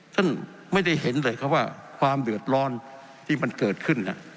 ท่านไม่ได้เห็นเลยครับว่าความเดือดร้อนที่มันเกิดขึ้น